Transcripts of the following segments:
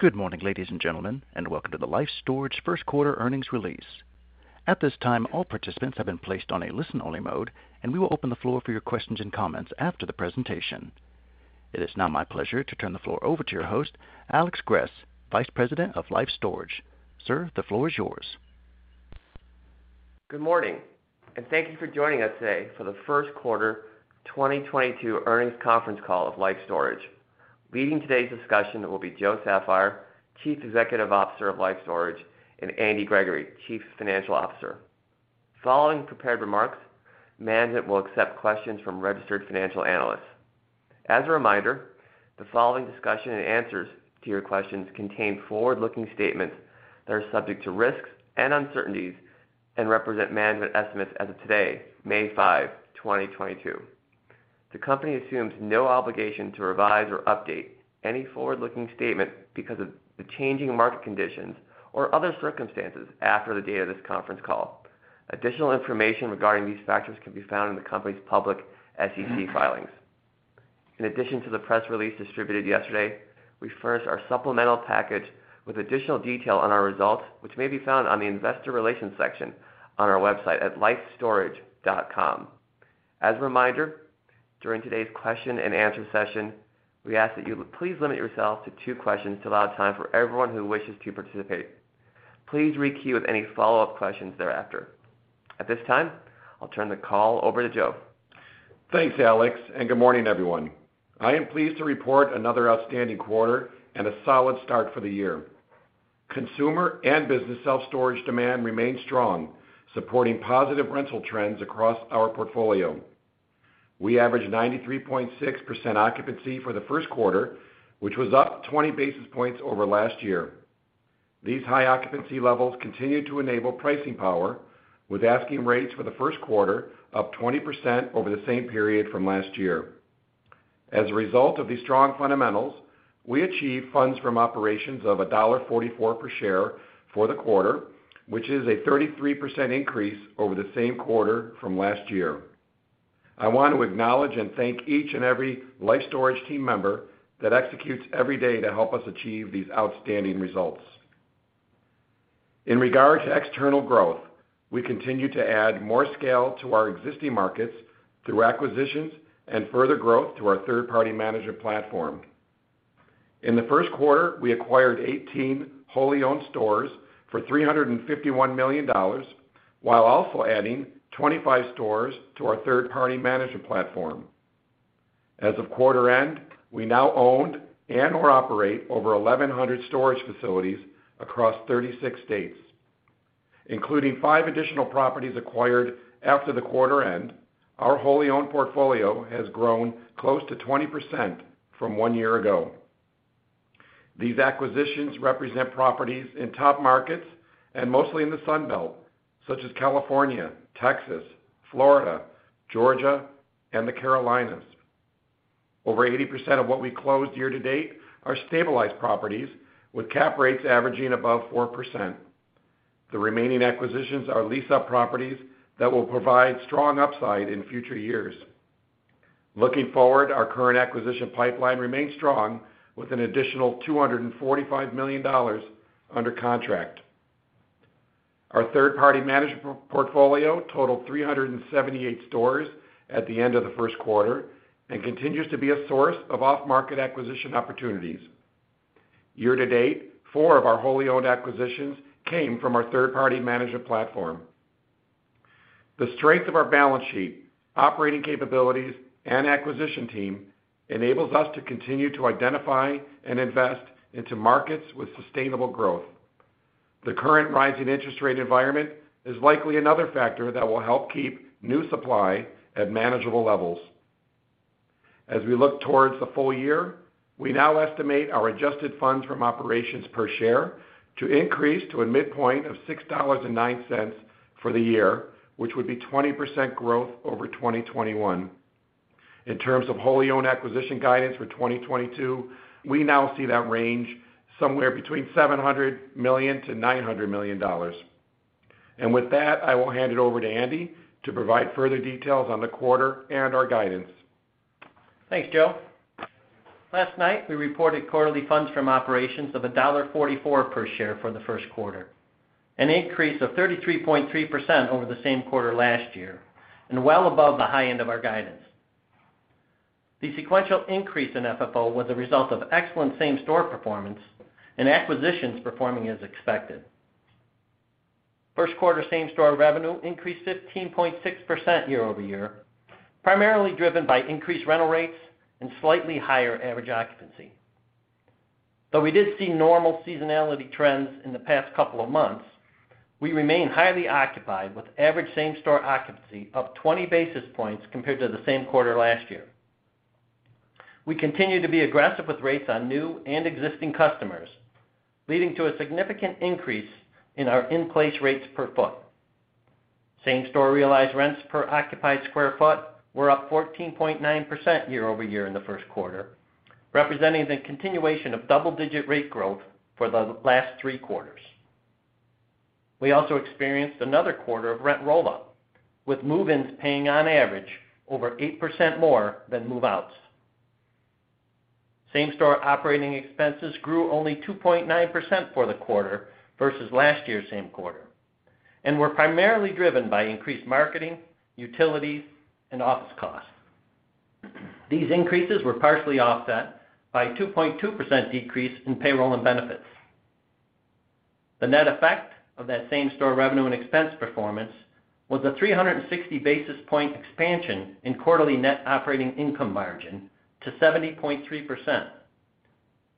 Good morning, ladies and gentlemen, and welcome to the Life Storage First Quarter Earnings Release. At this time, all participants have been placed on a listen-only mode, and we will open the floor for your questions and comments after the presentation. It is now my pleasure to turn the floor over to your host, Alex Gress, Vice President of Life Storage. Sir, the floor is yours. Good morning, and thank you for joining us today for the first quarter 2022 earnings conference call of Life Storage. Leading today's discussion will be Joe Saffire, Chief Executive Officer of Life Storage, and Andy Gregoire, Chief Financial Officer. Following prepared remarks, management will accept questions from registered financial analysts. As a reminder, the following discussion and answers to your questions contain forward-looking statements that are subject to risks and uncertainties and represent management estimates as of today, May 5, 2022. The company assumes no obligation to revise or update any forward-looking statements because of the changing market conditions or other circumstances after the date of this conference call. Additional information regarding these factors can be found in the company's public SEC filings. In addition to the press release distributed yesterday, we furnished our supplemental package with additional detail on our results, which may be found on the Investor Relations section on our website at lifestorage.com. As a reminder, during today's question and answer session, we ask that you please limit yourself to two questions to allow time for everyone who wishes to participate. Please re-queue with any follow-up questions thereafter. At this time, I'll turn the call over to Joe. Thanks, Alex, and good morning, everyone. I am pleased to report another outstanding quarter and a solid start for the year. Consumer and business self-storage demand remains strong, supporting positive rental trends across our portfolio. We averaged 93.6% occupancy for the first quarter, which was up 20 basis points over last year. These high occupancy levels continue to enable pricing power, with asking rates for the first quarter up 20% over the same period from last year. As a result of these strong fundamentals, we achieved funds from operations of $1.44 per share for the quarter, which is a 33% increase over the same quarter from last year. I want to acknowledge and thank each and every Life Storage team member that executes every day to help us achieve these outstanding results. In regard to external growth, we continue to add more scale to our existing markets through acquisitions and further growth to our third-party management platform. In the first quarter, we acquired 18 wholly owned stores for $351 million, while also adding 25 stores to our third-party management platform. As of quarter end, we now own and/or operate over 1,100 storage facilities across 36 states, including five additional properties acquired after the quarter end. Our wholly owned portfolio has grown close to 20% from one year ago. These acquisitions represent properties in top markets and mostly in the Sun Belt, such as California, Texas, Florida, Georgia, and the Carolinas. Over 80% of what we closed year-to-date are stabilized properties with cap rates averaging above 4%. The remaining acquisitions are lease-up properties that will provide strong upside in future years. Looking forward, our current acquisition pipeline remains strong with an additional $245 million under contract. Our third-party management portfolio totaled 378 stores at the end of the first quarter and continues to be a source of off-market acquisition opportunities. Year-to-date, four of our wholly owned acquisitions came from our third-party management platform. The strength of our balance sheet, operating capabilities, and acquisition team enables us to continue to identify and invest into markets with sustainable growth. The current rising interest rate environment is likely another factor that will help keep new supply at manageable levels. As we look towards the full year, we now estimate our adjusted funds from operations per share to increase to a midpoint of $6.09 for the year, which would be 20% growth over 2021. In terms of wholly owned acquisition guidance for 2022, we now see that range somewhere between $700 million-$900 million. With that, I will hand it over to Andy to provide further details on the quarter and our guidance. Thanks, Joe. Last night, we reported quarterly funds from operations of $1.44 per share for the first quarter, an increase of 33.3% over the same quarter last year, and well above the high end of our guidance. The sequential increase in FFO was a result of excellent same-store performance and acquisitions performing as expected. First quarter same-store revenue increased 15.6% year-over-year, primarily driven by increased rental rates and slightly higher average occupancy. Though we did see normal seasonality trends in the past couple of months, we remain highly occupied with average same-store occupancy up 20 basis points compared to the same quarter last year. We continue to be aggressive with rates on new and existing customers, leading to a significant increase in our in-place rates per foot. Same-store realized rents per occupied square foot were up 14.9% year over year in the first quarter, representing the continuation of double-digit rate growth for the last three quarters. We also experienced another quarter of rent rollout, with move-ins paying on average over 8% more than move-outs. Same-store operating expenses grew only 2.9% for the quarter versus last year's same quarter, and were primarily driven by increased marketing, utilities, and office costs. These increases were partially offset by 2.2% decrease in payroll and benefits. The net effect of that same-store revenue and expense performance was a 360 basis point expansion in quarterly net operating income margin to 70.3%,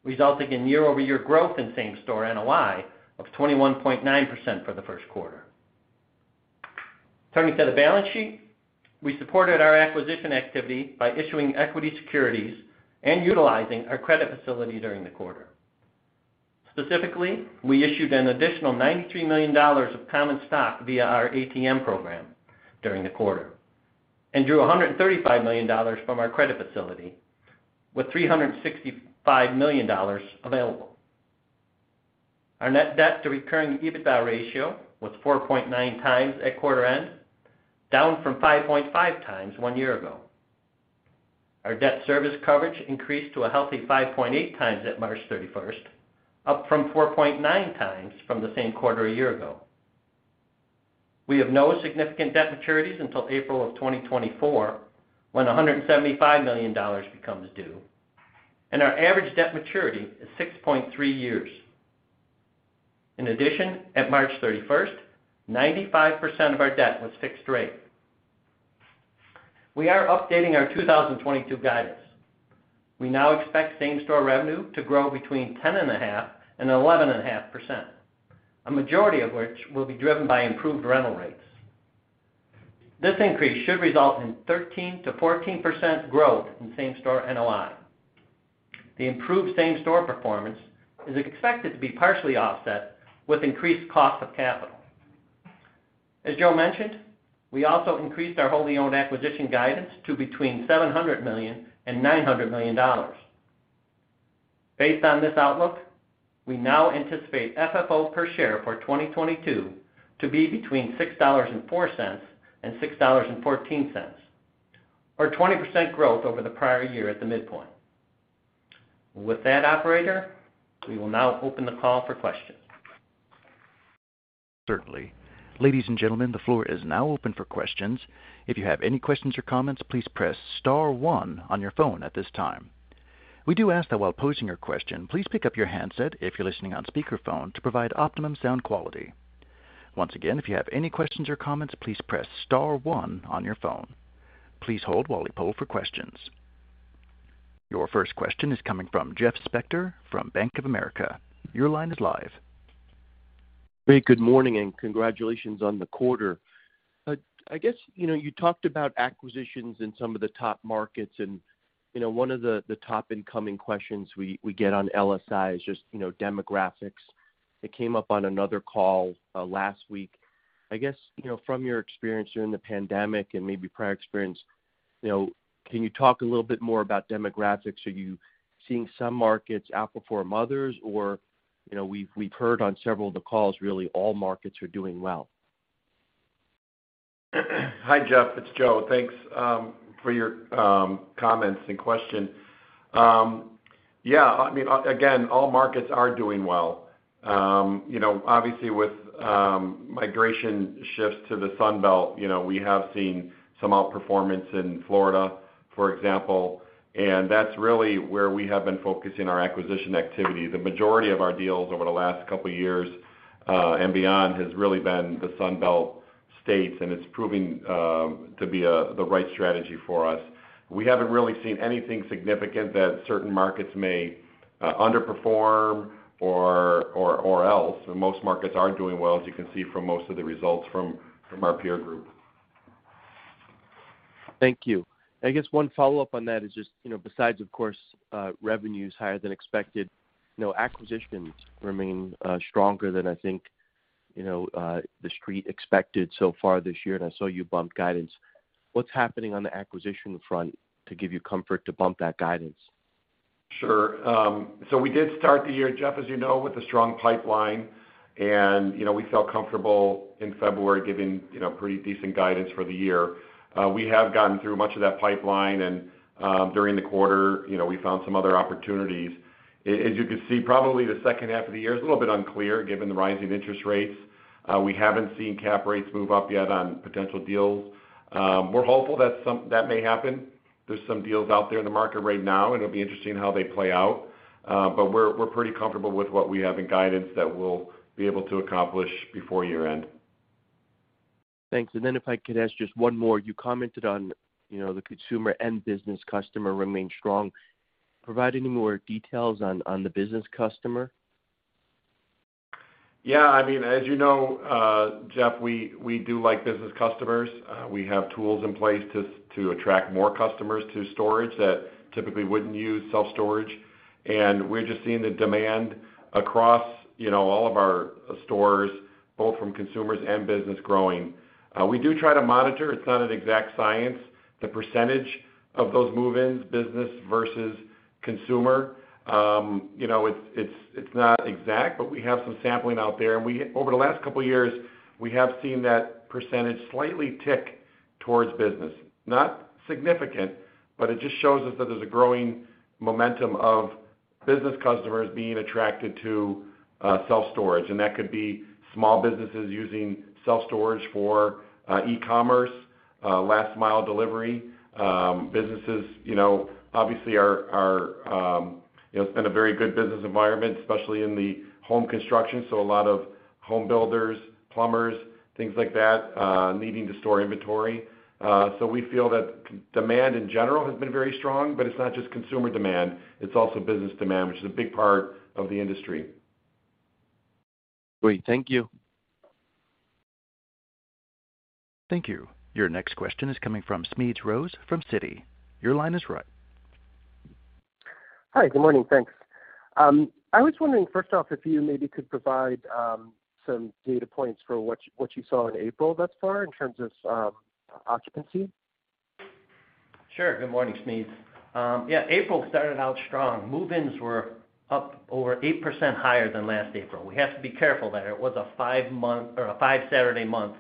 resulting in year-over-year growth in same-store NOI of 21.9% for the first quarter. Turning to the balance sheet, we supported our acquisition activity by issuing equity securities and utilizing our credit facility during the quarter. Specifically, we issued an additional $93 million of common stock via our ATM program during the quarter and drew $135 million from our credit facility, with $365 million available. Our net debt to recurring EBITDA ratio was 4.9x at quarter end, down from 5.5x one year ago. Our debt service coverage increased to a healthy 5.8x at March 31st, up from 4.9x from the same quarter a year ago. We have no significant debt maturities until April 2024, when $175 million becomes due, and our average debt maturity is 6.3 years. In addition, at March 31st, 95% of our debt was fixed rate. We are updating our 2022 guidance. We now expect same-store revenue to grow between 10.5% and 11.5%, a majority of which will be driven by improved rental rates. This increase should result in 13%-14% growth in same-store NOI. The improved same-store performance is expected to be partially offset with increased cost of capital. As Joe mentioned, we also increased our wholly owned acquisition guidance to between $700 million and $900 million. Based on this outlook, we now anticipate FFO per share for 2022 to be between $6.04 and $6.14, or 20% growth over the prior year at the midpoint. With that, operator, we will now open the call for questions. Certainly. Ladies and gentlemen, the floor is now open for questions. If you have any questions or comments, please press star one on your phone at this time. We do ask that while posing your question, please pick up your handset if you're listening on speakerphone to provide optimum sound quality. Once again, if you have any questions or comments, please press star one on your phone. Please hold while we poll for questions. Your first question is coming from Jeff Spector from Bank of America. Your line is live. Very good morning, and congratulations on the quarter. I guess, you know, you talked about acquisitions in some of the top markets. You know, one of the top incoming questions we get on LSI is just, you know, demographics that came up on another call last week. I guess, you know, from your experience during the pandemic and maybe prior experience, you know, can you talk a little bit more about demographics? Are you seeing some markets outperform others? Or, you know, we've heard on several of the calls, really all markets are doing well. Hi, Jeff. It's Joe. Thanks for your comments and question. Yeah, I mean, again, all markets are doing well. You know, obviously with migration shifts to the Sun Belt, you know, we have seen some outperformance in Florida, for example, and that's really where we have been focusing our acquisition activity. The majority of our deals over the last couple years and beyond has really been the Sun Belt states, and it's proving to be the right strategy for us. We haven't really seen anything significant that certain markets may underperform or else. Most markets are doing well, as you can see from most of the results from our peer group. Thank you. I guess one follow-up on that is just, you know, besides of course, revenues higher than expected, you know, acquisitions remain stronger than I think, you know, the street expected so far this year, and I saw you bumped guidance. What's happening on the acquisition front to give you comfort to bump that guidance? Sure. So we did start the year, Jeff, as you know, with a strong pipeline, and, you know, we felt comfortable in February giving, you know, pretty decent guidance for the year. We have gotten through much of that pipeline, and, during the quarter, you know, we found some other opportunities. As you can see, probably the second half of the year is a little bit unclear given the rise in interest rates. We haven't seen cap rates move up yet on potential deals. We're hopeful that that may happen. There's some deals out there in the market right now, and it'll be interesting how they play out. We're pretty comfortable with what we have in guidance that we'll be able to accomplish before year-end. Thanks. If I could ask just one more. You commented on, you know, the consumer and business customer remain strong. Provide any more details on the business customer. Yeah. I mean, as you know, Jeff, we do like business customers. We have tools in place to attract more customers to storage that typically wouldn't use self-storage. We're just seeing the demand across, you know, all of our stores, both from consumers and business growing. We do try to monitor. It's not an exact science, the percentage of those move-ins, business versus consumer. You know, it's not exact, but we have some sampling out there. Over the last couple of years, we have seen that percentage slightly tick towards business. Not significant, but it just shows us that there's a growing momentum of business customers being attracted to self-storage, and that could be small businesses using self-storage for e-commerce last mile delivery. Businesses, you know, obviously are, you know, it's been a very good business environment, especially in the home construction, so a lot of home builders, plumbers, things like that needing to store inventory. We feel that demand in general has been very strong, but it's not just consumer demand, it's also business demand, which is a big part of the industry. Great. Thank you. Thank you. Your next question is coming from Smedes Rose from Citi. Your line is right. Hi. Good morning. Thanks. I was wondering, first off, if you maybe could provide some data points for what you saw in April thus far in terms of occupancy. Sure. Good morning, Smedes. Yeah, April started out strong. Move-ins were up over 8% higher than last April. We have to be careful there. It was a five-month or a five-Saturday month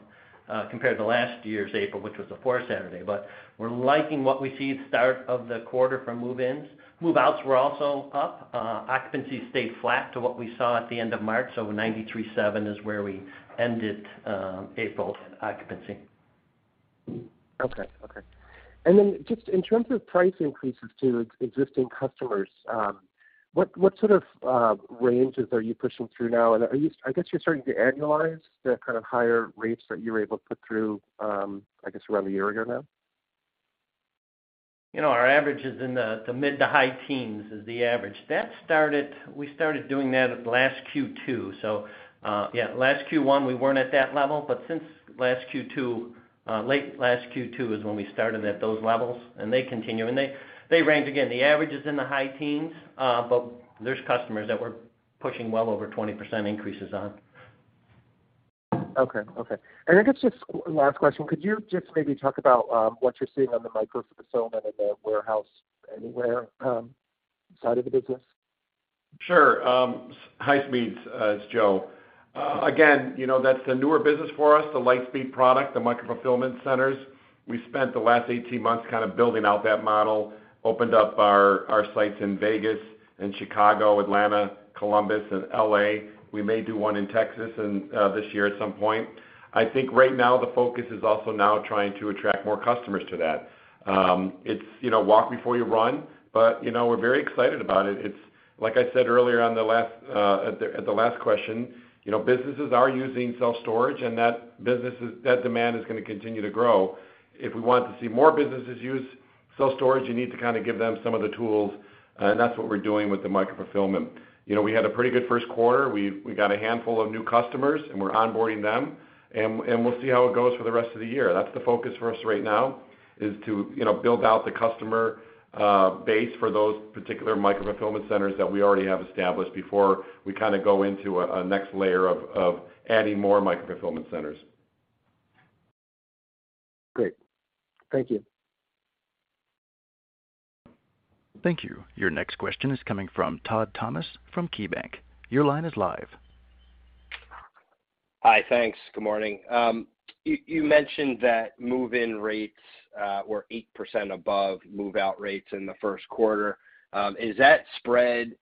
compared to last year's April, which was a four-Saturday. We're liking what we see at the start of the quarter from move-ins. Move-outs were also up. Occupancy stayed flat to what we saw at the end of March. 93.7% is where we ended April in occupancy. Just in terms of price increases to existing customers, what sort of ranges are you pushing through now? I guess you're starting to annualize the kind of higher rates that you're able to put through, I guess around a year ago now. You know, our average is in the mid- to high teens. We started doing that at last Q2. Last Q1, we weren't at that level, but since last Q2, late last Q2 is when we started at those levels, and they continue. They range again, the average is in the high teens, but there's customers that we're pushing well over 20% increases on. Okay. I guess just last question, could you just maybe talk about what you're seeing on the micro-fulfillment and the Warehouse Anywhere side of the business? Sure. Hi, Smedes, it's Joe. Again, you know, that's the newer business for us, the Lightspeed product, the micro-fulfillment centers. We spent the last 18 months kind of building out that model, opened up our sites in Vegas and Chicago, Atlanta, Columbus, and L.A. We may do one in Texas and this year at some point. I think right now the focus is also now trying to attract more customers to that. It's, you know, walk before you run, but, you know, we're very excited about it. It's like I said earlier, at the last question, you know, businesses are using self-storage, and that business, that demand is gonna continue to grow. If we want to see more businesses use self-storage, you need to kind of give them some of the tools, and that's what we're doing with the micro-fulfillment. You know, we had a pretty good first quarter. We got a handful of new customers, and we're onboarding them, and we'll see how it goes for the rest of the year. That's the focus for us right now, is to, you know, build out the customer base for those particular micro-fulfillment centers that we already have established before we kind of go into a next layer of adding more micro-fulfillment centers. Great. Thank you. Thank you. Your next question is coming from Todd Thomas from KeyBank. Your line is live. Hi. Thanks. Good morning. You mentioned that move-in rates were 8% above move-out rates in the first quarter. Is that spread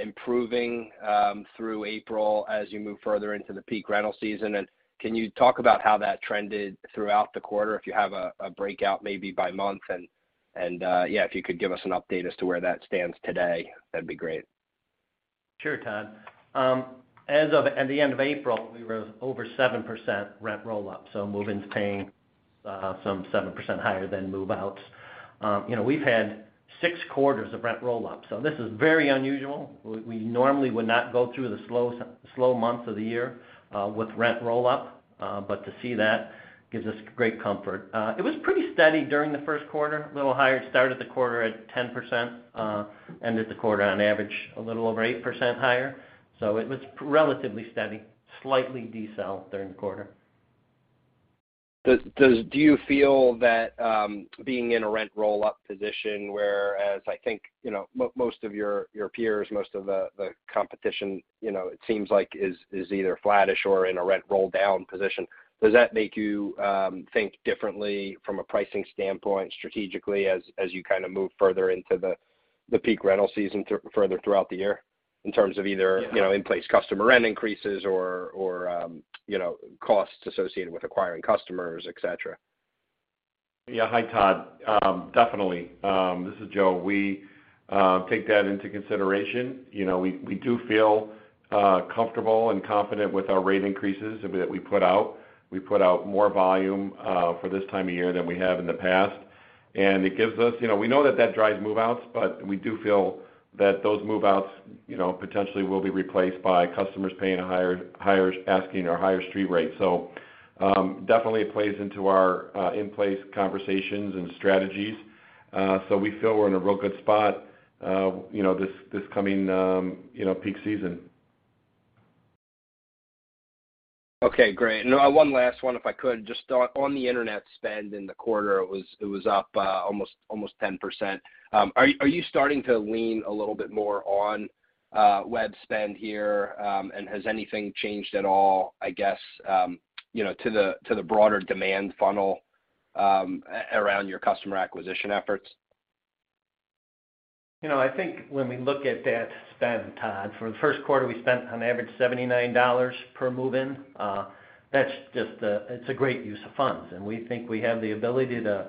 improving through April as you move further into the peak rental season? Can you talk about how that trended throughout the quarter if you have a breakout maybe by month? Yeah, if you could give us an update as to where that stands today, that'd be great. Sure, Todd. As of the end of April, we were over 7% rent roll-ups, so move-ins paying some 7% higher than move-outs. You know, we've had six quarters of rent roll-ups, so this is very unusual. We normally would not go through the slow month of the year with rent roll-up, but to see that gives us great comfort. It was pretty steady during the first quarter, a little higher start of the quarter at 10%, ended the quarter on average a little over 8% higher. It was relatively steady, slightly decel during the quarter. Do you feel that being in a rent roll-up position, whereas I think, you know, most of your peers, most of the competition, you know, it seems like is either flattish or in a rent roll-down position, does that make you think differently from a pricing standpoint strategically as you kind of move further into the peak rental season further throughout the year in terms of either? Yeah. You know, in place customer rent increases or, you know, costs associated with acquiring customers, et cetera? Yeah. Hi, Todd. Definitely. This is Joe. We take that into consideration. You know, we do feel comfortable and confident with our rate increases that we put out. We put out more volume for this time of year than we have in the past. It gives us. You know, we know that that drives move-outs, but we do feel that those move-outs, you know, potentially will be replaced by customers paying a higher asking or higher street rate. Definitely it plays into our in-place conversations and strategies. We feel we're in a real good spot, you know, this coming peak season. Okay, great. Now one last one, if I could. Just on the internet spend in the quarter, it was up almost 10%. Are you starting to lean a little bit more on web spend here? And has anything changed at all, I guess, you know, to the broader demand funnel around your customer acquisition efforts? You know, I think when we look at that spend, Todd, for the first quarter, we spent on average $79 per move-in. That's a great use of funds, and we think we have the ability to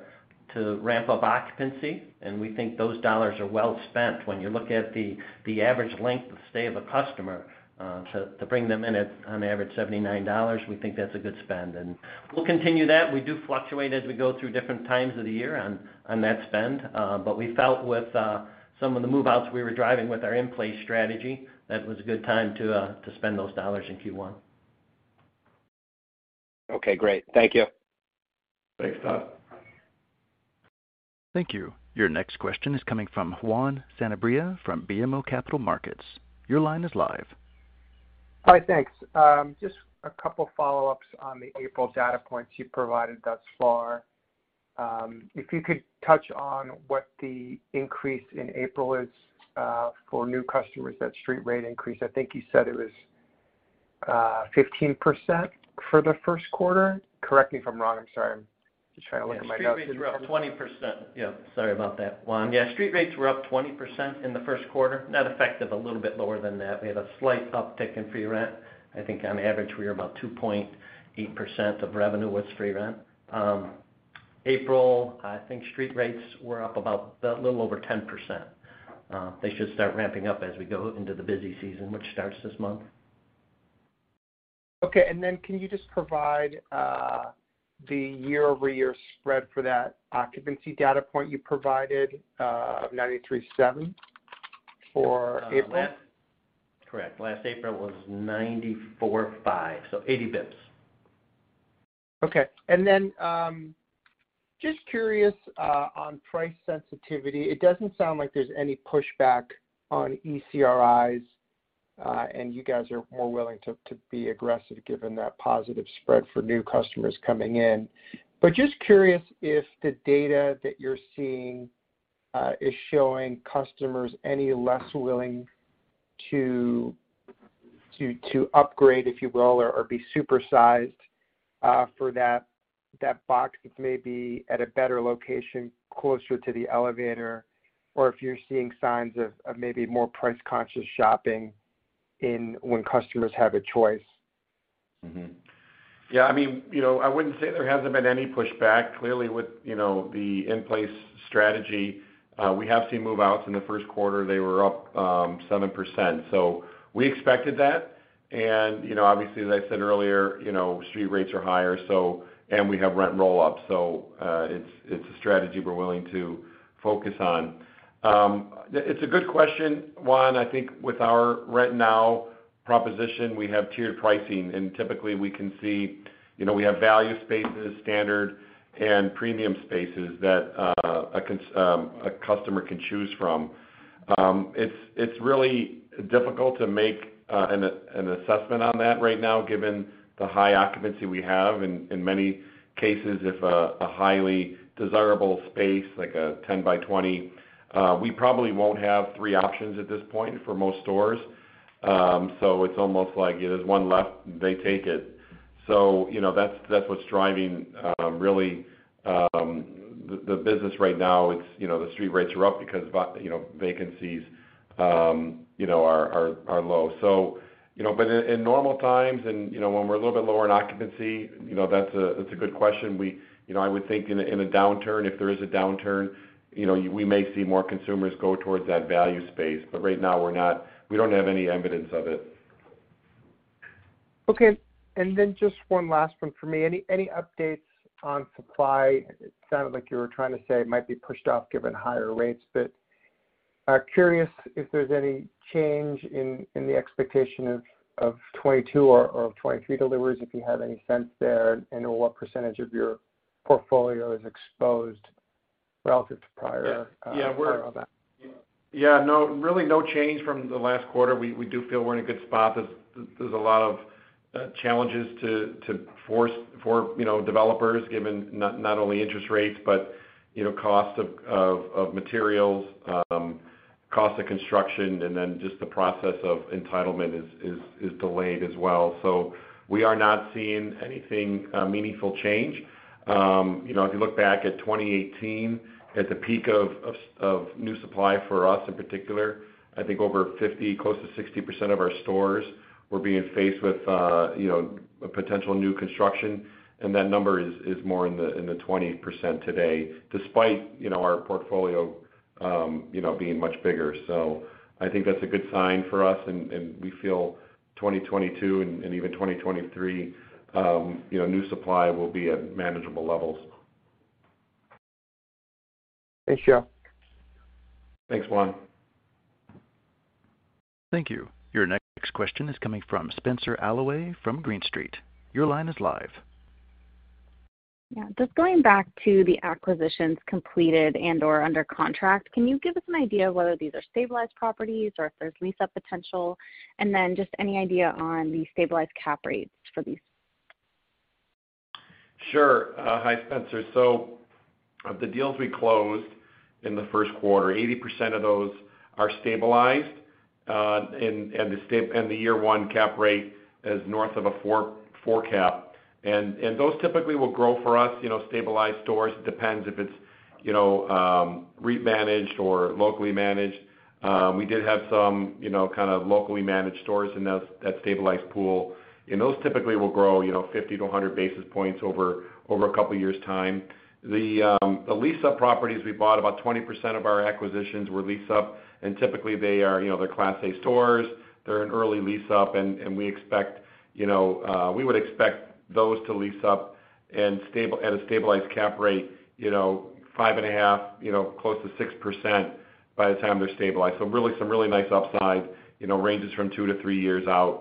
ramp up occupancy, and we think those dollars are well spent. When you look at the average length of stay of a customer, so to bring them in at on average $79, we think that's a good spend, and we'll continue that. We do fluctuate as we go through different times of the year on that spend. We felt with some of the move outs we were driving with our in-place strategy, that was a good time to spend those dollars in Q1. Okay, great. Thank you. Thanks, Todd. Thank you. Your next question is coming from Juan Sanabria from BMO Capital Markets. Your line is live. Hi, thanks. Just a couple follow-ups on the April data points you provided thus far. If you could touch on what the increase in April is for new customers, that street rate increase. I think you said it was 15% for the first quarter. Correct me if I'm wrong, I'm sorry. I'm just trying to look at my notes here. Yeah, street rates were up 20%. Yeah, sorry about that, Juan. Yeah, street rates were up 20% in the first quarter. Net effect of a little bit lower than that. We had a slight uptick in free rent. I think on average, we are about 2.8% of revenue was free rent. April, I think street rates were up about a little over 10%. They should start ramping up as we go into the busy season, which starts this month. Okay, can you just provide the year-over-year spread for that occupancy data point you provided, of 93.7% for April? Correct. Last April was 94.5%, so 80 basis points. Okay. Just curious on price sensitivity. It doesn't sound like there's any pushback on ECRIs, and you guys are more willing to be aggressive given that positive spread for new customers coming in. Just curious if the data that you're seeing is showing customers any less willing to upgrade, if you will, or be supersized for that box that may be at a better location closer to the elevator, or if you're seeing signs of maybe more price-conscious shopping when customers have a choice. Mm-hmm. Yeah, I mean, you know, I wouldn't say there hasn't been any pushback. Clearly with, you know, the in-place strategy, we have seen move-outs in the first quarter, they were up 7%. We expected that. You know, obviously, as I said earlier, you know, street rates are higher, and we have rent roll-ups. It's a strategy we're willing to focus on. It's a good question, Juan. I think with our Rent Now proposition, we have tiered pricing, and typically we can see, you know, we have value spaces, standard and premium spaces that a customer can choose from. It's really difficult to make an assessment on that right now, given the high occupancy we have. In many cases, if a highly desirable space like a 10 by 20, we probably won't have three options at this point for most stores. It's almost like if there's one left, they take it. You know, that's what's driving really the business right now. It's you know, the street rates are up because vacancies you know, are low. You know, but in normal times and you know, when we're a little bit lower in occupancy, you know, that's a good question. You know, I would think in a downturn, if there is a downturn, you know, we may see more consumers go towards that value space, but right now we don't have any evidence of it. Okay, just one last one from me. Any updates on supply? It sounded like you were trying to say it might be pushed off given higher rates, but curious if there's any change in the expectation of 2022 or 2023 deliveries, if you have any sense there and what percentage of your portfolio is exposed relative to prior on that. Yeah, no, really no change from the last quarter. We do feel we're in a good spot. There's a lot of challenges for developers, given not only interest rates, but you know, costs of materials, cost of construction, and then just the process of entitlement is delayed as well. We are not seeing any meaningful change. You know, if you look back at 2018, at the peak of new supply for us in particular, I think over 50%, close to 60% of our stores were being faced with you know, a potential new construction, and that number is more in the 20% today, despite you know, our portfolio you know, being much bigger. I think that's a good sign for us and we feel 2022 and even 2023, you know, new supply will be at manageable levels. Thanks, Jeff. Thanks, Juan. Thank you. Your next question is coming from Spenser Allaway from Green Street. Your line is live. Yeah. Just going back to the acquisitions completed and/or under contract, can you give us an idea of whether these are stabilized properties or if there's lease-up potential? Just any idea on the stabilized cap rates for these? Sure. Hi, Spenser. Of the deals we closed in the first quarter, 80% of those are stabilized, and the year one cap rate is north of a 4% cap. Those typically will grow for us, you know, stabilized stores. It depends if it's, you know, REIT managed or locally managed. We did have some, you know, kind of locally managed stores in that stabilized pool, and those typically will grow, you know, 50-100 basis points over a couple years' time. The lease-up properties we bought, about 20% of our acquisitions were lease-up, and typically they are, you know, they're Class A stores. They're an early lease up, and we expect, you know, we would expect those to lease up at a stabilized cap rate, you know, 5.5%, you know, close to 6% by the time they're stabilized. Really some really nice upside, you know, ranges from two to three years out.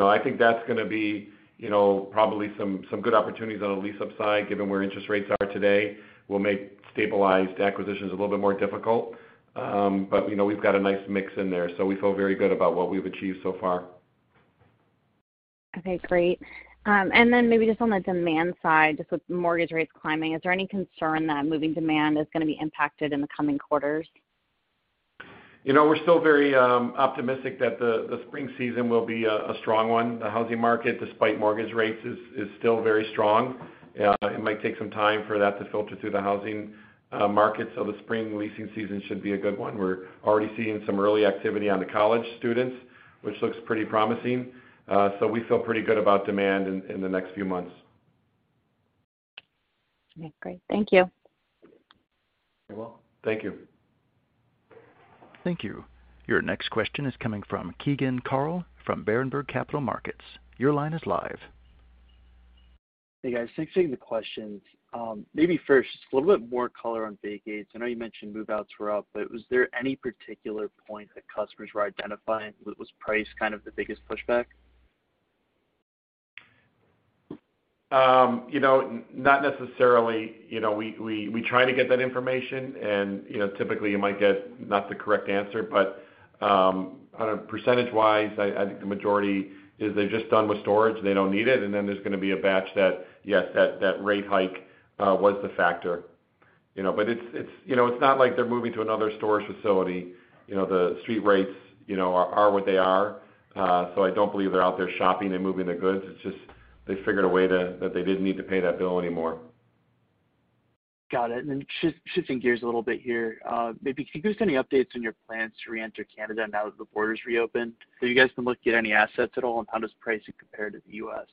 I think that's gonna be, you know, probably some good opportunities on the lease-up side, given where interest rates are today, will make stabilized acquisitions a little bit more difficult. You know, we've got a nice mix in there, so we feel very good about what we've achieved so far. Okay, great. Maybe just on the demand side, just with mortgage rates climbing, is there any concern that moving demand is gonna be impacted in the coming quarters? You know, we're still very optimistic that the spring season will be a strong one. The housing market, despite mortgage rates, is still very strong. It might take some time for that to filter through the housing markets, so the spring leasing season should be a good one. We're already seeing some early activity on the college students, which looks pretty promising. So we feel pretty good about demand in the next few months. Okay, great. Thank you. You're welcome. Thank you. Thank you. Your next question is coming from Keegan Carl from Berenberg Capital Markets. Your line is live. Hey, guys. Thanks for taking the questions. Maybe first, just a little bit more color on vacancies. I know you mentioned move-outs were up, but was there any particular point that customers were identifying? Was price kind of the biggest pushback? You know, not necessarily. You know, we try to get that information and, you know, typically you might get not the correct answer, but on a percentage-wise, I think the majority is they're just done with storage, they don't need it, and then there's gonna be a batch that, yes, that rate hike was the factor. You know, it's not like they're moving to another storage facility. You know, the street rates, you know, are what they are. I don't believe they're out there shopping and moving the goods. It's just they figured a way to that they didn't need to pay that bill anymore. Got it. Shifting gears a little bit here. Maybe can you give us any updates on your plans to reenter Canada now that the border's reopened? You guys can look at any assets at all, and how does pricing compare to the U.S.?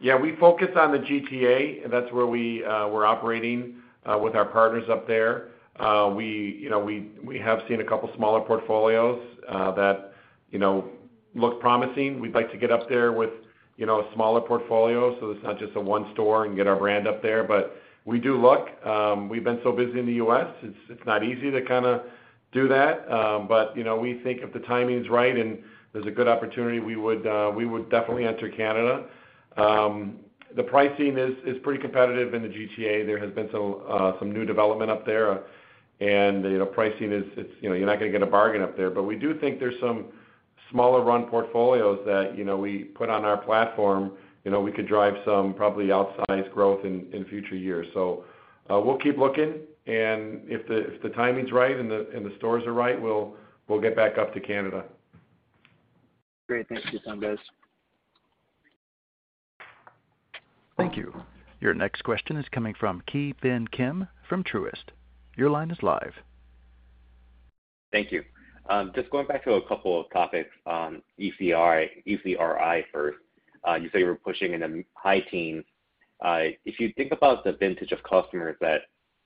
Yeah. We focus on the GTA. That's where we're operating with our partners up there. You know, we have seen a couple smaller portfolios that you know look promising. We'd like to get up there with you know a smaller portfolio, so it's not just a one store and get our brand up there. We do look. We've been so busy in the U.S., it's not easy to kinda do that. You know, we think if the timing's right and there's a good opportunity, we would definitely enter Canada. The pricing is pretty competitive in the GTA. There has been some new development up there and you know pricing is, you know, you're not gonna get a bargain up there. We do think there's some smaller run portfolios that, you know, we put on our platform. You know, we could drive some probably outsized growth in future years. We'll keep looking, and if the timing's right and the stores are right, we'll get back up to Canada. Great. Thanks for your time, guys. Thank you. Your next question is coming from Ki Bin Kim from Truist. Your line is live. Thank you. Just going back to a couple of topics on ECRI first. You say you were pushing in the high teens. If you think about the vintage of customers that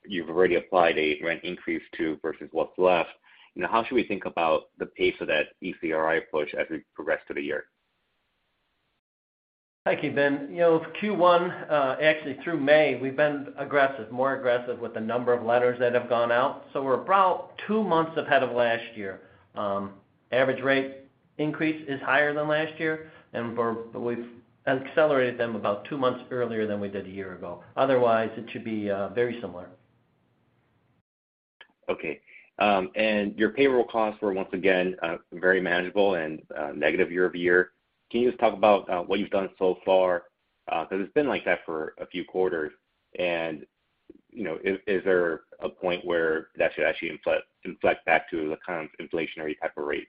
you've already applied a rent increase to versus what's left, you know, how should we think about the pace of that ECRI push for the rest of the year? Thank you, Bin. You know, Q1, actually through May, we've been aggressive, more aggressive with the number of letters that have gone out. We're about two months ahead of last year. Average rate increase is higher than last year, and we've accelerated them about two months earlier than we did a year ago. Otherwise, it should be very similar. Okay. Your payroll costs were once again very manageable and negative year-over-year. Can you just talk about what you've done so far? 'Cause it's been like that for a few quarters and, you know, is there a point where that should actually inflect back to the kind of inflationary type of rate?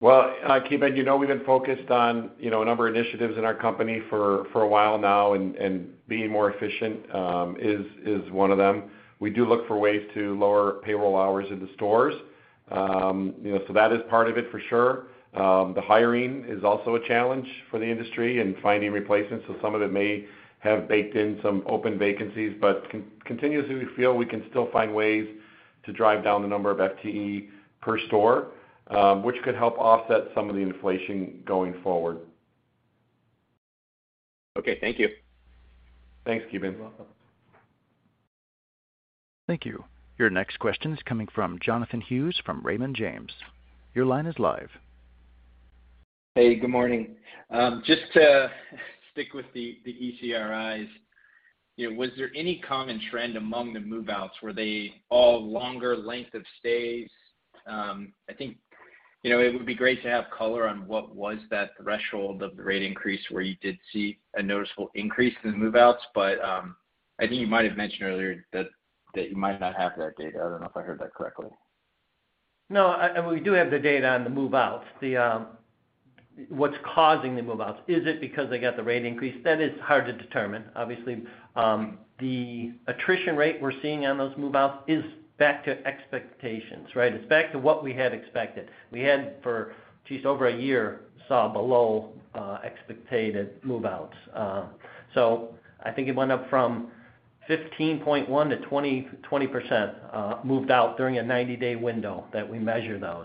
Well, Ki Bin, you know, we've been focused on, you know, a number of initiatives in our company for a while now, and being more efficient is one of them. We do look for ways to lower payroll hours in the stores. You know, that is part of it for sure. The hiring is also a challenge for the industry and finding replacements, so some of it may have baked in some open vacancies. Continuously, we feel we can still find ways to drive down the number of FTE per store, which could help offset some of the inflation going forward. Okay. Thank you. Thanks, Ki Bin. You're welcome. Thank you. Your next question is coming from Jonathan Hughes from Raymond James. Your line is live. Hey, good morning. Just to stick with the ECRIs, you know, was there any common trend among the move-outs? Were they all longer length of stays? I think, you know, it would be great to have color on what was that threshold of the rate increase where you did see a noticeable increase in move-outs, but, I think you might have mentioned earlier that you might not have that data. I don't know if I heard that correctly. No, we do have the data on the move-outs. What's causing the move-outs? Is it because they got the rate increase? That is hard to determine. Obviously, the attrition rate we're seeing on those move-outs is back to expectations, right? It's back to what we had expected. We had for, geez, over a year, saw below expected move-outs. I think it went up from 15.1%-20% moved out during a 90-day window that we measure those.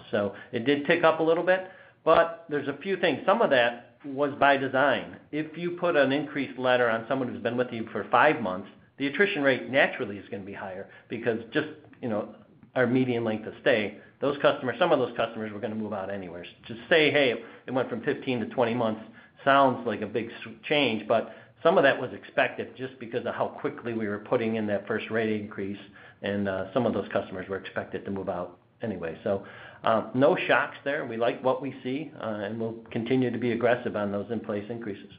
It did tick up a little bit, but there's a few things. Some of that was by design. If you put an increase letter on someone who's been with you for five months, the attrition rate naturally is gonna be higher because just, you know, our median length of stay, those customers, some of those customers were gonna move out anyway. To say, "Hey, it went from 15-20 months," sounds like a big sea change, but some of that was expected just because of how quickly we were putting in that first rate increase, and some of those customers were expected to move out anyway. No shocks there. We like what we see, and we'll continue to be aggressive on those in-place increases.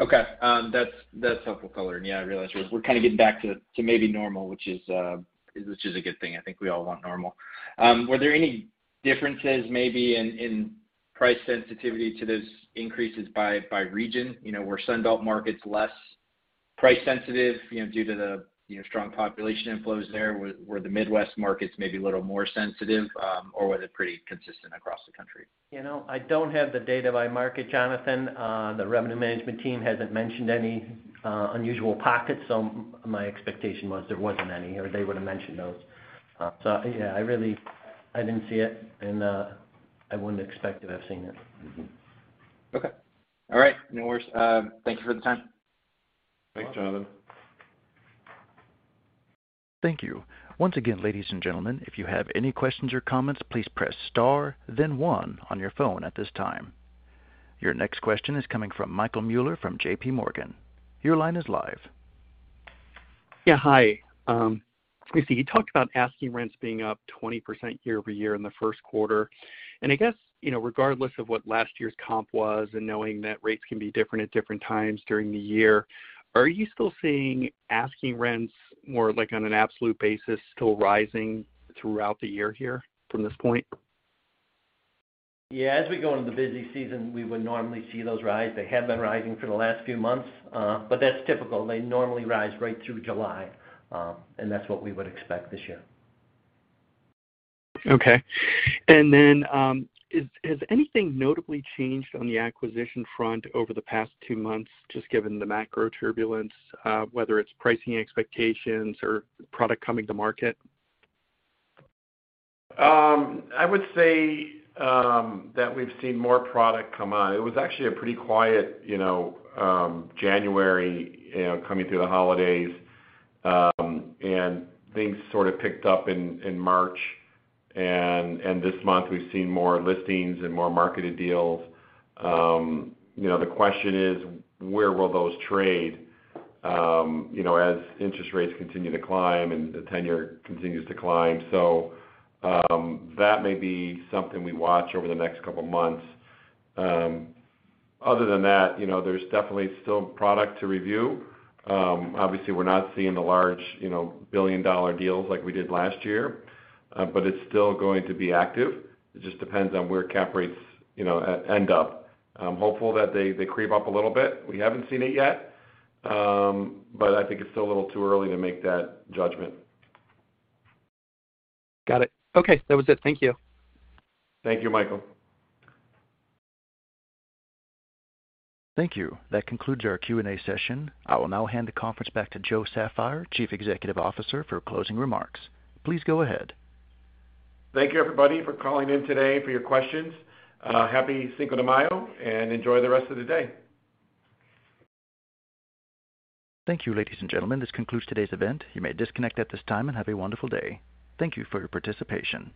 Okay. That's helpful color. Yeah, I realize we're kinda getting back to maybe normal, which is a good thing. I think we all want normal. Were there any differences maybe in price sensitivity to those increases by region? You know, were Sun Belt markets less price sensitive, you know, due to the you know strong population inflows there? Were the Midwest markets maybe a little more sensitive, or was it pretty consistent across the country? You know, I don't have the data by market, Jonathan. The revenue management team hasn't mentioned any unusual pockets, so my expectation was there wasn't any or they would've mentioned those. Yeah, I really didn't see it, and I wouldn't expect to have seen it. Okay. All right. No worries. Thank you for the time. Welcome. Thanks, Jonathan. Thank you. Once again, ladies and gentlemen, if you have any questions or comments, please press star then one on your phone at this time. Your next question is coming from Michael Mueller from JPMorgan. Your line is live. Yeah. Hi. Let me see. You talked about asking rents being up 20% year-over-year in the first quarter, and I guess, you know, regardless of what last year's comp was and knowing that rates can be different at different times during the year, are you still seeing asking rents more like on an absolute basis still rising throughout the year here from this point? Yeah. As we go into the busy season, we would normally see those rise. They have been rising for the last few months, but that's typical. They normally rise right through July, and that's what we would expect this year. Has anything notably changed on the acquisition front over the past two months, just given the macroturbulence, whether it's pricing expectations or product coming to market? I would say that we've seen more product come on. It was actually a pretty quiet, you know, January, you know, coming through the holidays, and things sort of picked up in March. This month we've seen more listings and more marketed deals. You know, the question is, where will those trade, you know, as interest rates continue to climb and the ten-year continues to climb? That may be something we watch over the next couple of months. Other than that, you know, there's definitely still product to review. Obviously we're not seeing the large, you know, billion-dollar deals like we did last year, but it's still going to be active. It just depends on where cap rates, you know, end up. I'm hopeful that they creep up a little bit. We haven't seen it yet, but I think it's still a little too early to make that judgment. Got it. Okay. That was it. Thank you. Thank you, Michael. Thank you. That concludes our Q&A session. I will now hand the conference back to Joe Saffire, Chief Executive Officer, for closing remarks. Please go ahead. Thank you, everybody, for calling in today, for your questions. Happy Cinco de Mayo, and enjoy the rest of the day. Thank you, ladies and gentlemen. This concludes today's event. You may disconnect at this time, and have a wonderful day. Thank you for your participation.